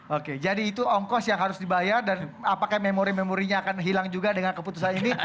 oke jadi itu ongkos yang harus dibayar dan apakah memori memorinya akan hilang juga dengan keputusan ini